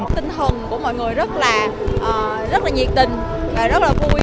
tinh hồng của mọi người rất là nhiệt tình rất là vui